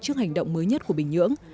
trước hành động mới nhất của bình nhưỡng